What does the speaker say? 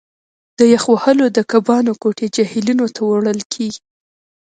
د یخ وهلو د کبانو کوټې جهیلونو ته وړل کیږي